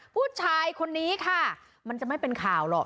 ผู้ชายคนนี้ค่ะมันจะไม่เป็นข่าวหรอก